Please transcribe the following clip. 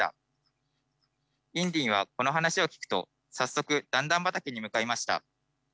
インディンはこの話を聞くと早速段々畑に向かいました。